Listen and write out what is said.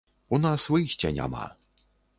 У нас выйсця няма.